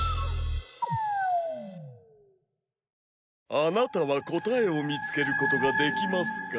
あなたは答えを見つけることができますか？